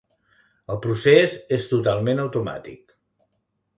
El procés és totalment automàtic.